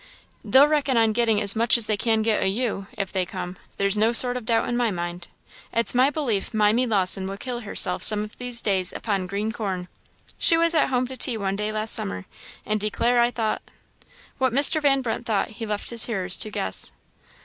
"They'll reckon on getting as much as they can get o' you, if they come, there's no sort of doubt in my mind. It's my belief Mimy Lawson will kill herself some of these days upon green corn. She was at home to tea one day last summer, and I declare I thought " What Mr. Van Brunt thought he left his hearers to guess.